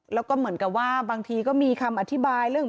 แล้วก็เหมือนกับว่าบางทีก็มีคำอธิบายเรื่อง